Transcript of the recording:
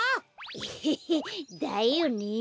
エヘヘだよねえ。